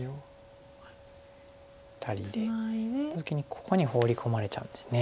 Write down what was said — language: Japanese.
ここにホウリ込まれちゃうんです。